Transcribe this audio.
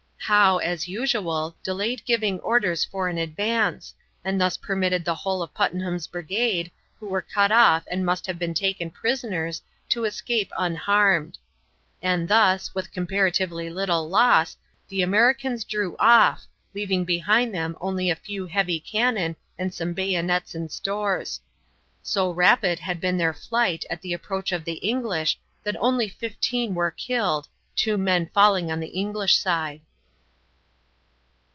Howe, as usual, delayed giving orders for an advance, and thus permitted the whole of Puttenham's brigade, who were cut off and must have been taken prisoners, to escape unharmed. And thus, with comparatively little loss, the Americans drew off, leaving behind them only a few heavy cannon and some bayonets and stores. So rapid had been their flight at the approach of the English that only fifteen were killed, two men falling on the English side.